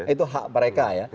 itu hak mereka ya